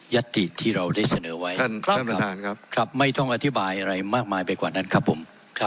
ยัทธิที่เราได้เสนอไว้ครับไม่ต้องอธิบายอะไรมากมายไปกว่านั้นครับผม